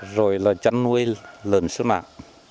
rồi là chăn nuôi lần sữa mạng